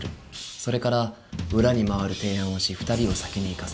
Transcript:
それから裏に回る提案をし２人を先に行かせる。